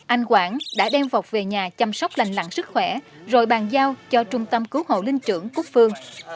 anh quảng đã đem vọc về nhà chăm sóc lành lặng sức khỏe rồi bàn giao cho trung tâm cứu hộ linh trưởng quốc phương